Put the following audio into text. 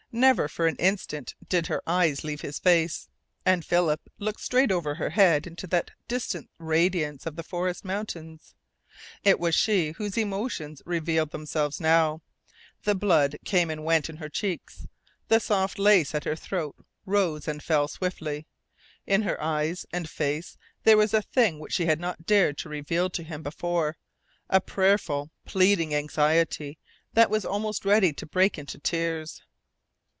Never for an instant did her eyes leave his face, and Philip looked straight over her head into that distant radiance of the forest mountains. It was she whose emotions revealed themselves now. The blood came and went in her cheeks. The soft lace at her throat rose and fell swiftly. In her eyes and face there was a thing which she had not dared to reveal to him before a prayerful, pleading anxiety that was almost ready to break into tears.